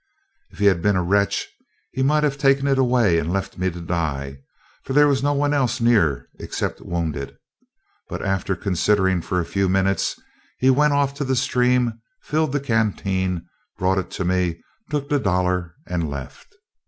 If he had been a wretch, he might have taken it away and left me to die, for there was no one else near except wounded; but, after considering a few minutes, he went off to the stream, filled the canteen, brought it to me, took the dollar, and left.